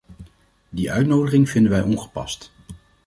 Die uitnodiging vinden wij ongepast.